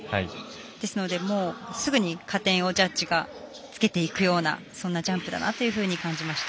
ですので、すぐに加点をジャッジがつけていくようなそんなジャンプだなというふうに感じました。